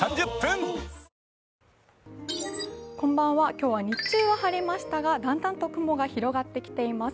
今日は日中は晴れましたがだんだんと雲が広がってきています。